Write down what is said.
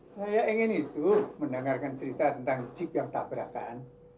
saya ingin itu mendengarkan cerita tentang jeep yang tabrakan